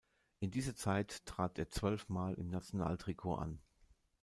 In dieser Zeit trat er zwölfmal im Nationaltrikot an.